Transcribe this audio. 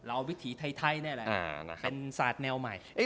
เราเอาวิธีไทท่แน่แล้วเป็นศาสน์แนวใหม่